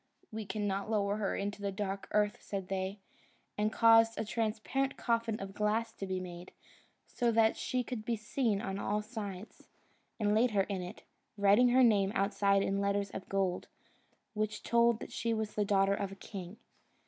"We cannot lower her into the dark earth," said they; and caused a transparent coffin of glass to be made, so that she could be seen on all sides, and laid her in it, writing her name outside in letters of gold, which told that she was the daughter of a king.